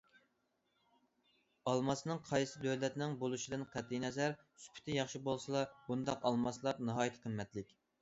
ئالماسنىڭ قايسى دۆلەتنىڭ بولۇشىدىن قەتئىينەزەر، سۈپىتى ياخشى بولسىلا، بۇنداق ئالماسلار ناھايىتى قىممەتلىك.